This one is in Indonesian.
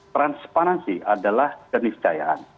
transparency adalah jenis cahayaan